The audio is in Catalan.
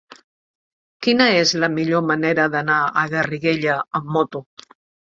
Quina és la millor manera d'anar a Garriguella amb moto?